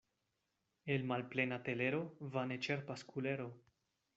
El malplena telero vane ĉerpas kulero.